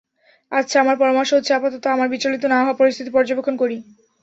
আচ্ছা, আমার পরামর্শ হচ্ছে আপাতত আমরা বিচলিত না হয়ে পরিস্থিতি পর্যবেক্ষণ করি।